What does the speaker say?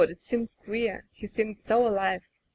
it seems queer! He seemed so alive.